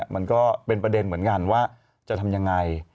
มันก็เป็นประเด็นเหมือนกันว่าจะทำยังไง